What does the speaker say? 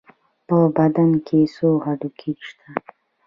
په بدن کې څو هډوکي شته؟